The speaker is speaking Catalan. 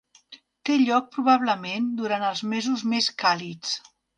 Té lloc probablement durant els mesos més càlids.